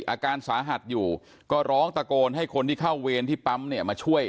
อาการสาหัสอยู่ก็ร้องตะโกนให้คนที่เข้าเวรที่ปั๊มเนี่ยมาช่วย